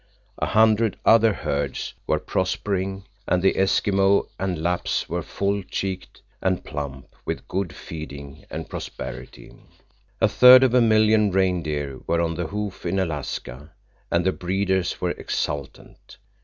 A hundred other herds were prospering, and the Eskimo and Lapps were full cheeked and plump with good feeding and prosperity. A third of a million reindeer were on the hoof in Alaska, and the breeders were exultant.